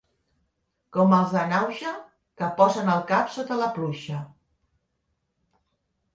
Com els de Naüja, que posen el cap sota la pluja.